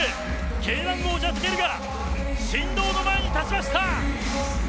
Ｋ‐１王者・武尊が神童の前に立ちました。